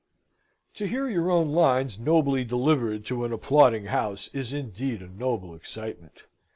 To hear your own lines nobly delivered to an applauding house, is indeed a noble excitement.